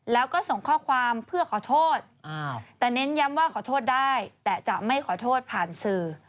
แล้วก็ส่งข้อความเพื่อขอโทษแต่เน้นย้ำว่าขอโทษได้แต่จะไม่ขอโทษผ่านสื่อ